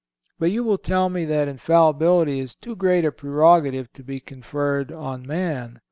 But you will tell me that infallibility is too great a prerogative to be conferred on man.